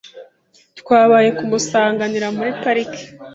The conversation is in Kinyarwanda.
Twabaye kumusanganira muri parike .